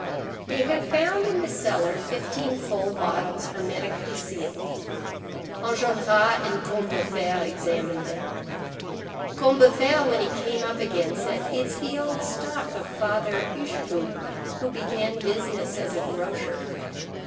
They had found in the cellar fifteen full bottles hermetically sealed. Enjolras and Combeferre examined them. Combeferre when he came up again said:—"It's the old stock of Father Hucheloup, who began business as a grocer."